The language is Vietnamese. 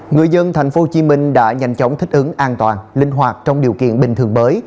người dân tp hcm đã nhanh chóng thích ứng an toàn linh hoạt trong điều kiện bình thường mới